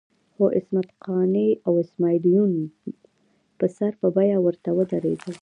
خو عصمت قانع او اسماعیل یون په سر په بیه ورته ودرېدل.